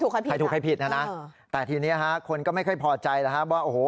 ใครถูกใครผิดนะแต่ทีนี้คนก็ไม่ค่อยพอใจนะครับว่าโอ้โฮ